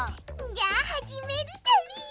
じゃあはじめるじゃりー。